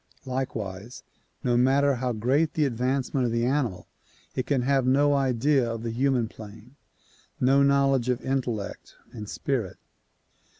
Likewise no matter how great the advancement of the animal it can have no idea of the human plane ; no knowledge of intellect and spirit.